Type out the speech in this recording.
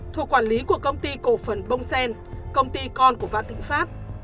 thuộc quản lý của công ty cổ phần bông sen công ty con của vạn thịnh pháp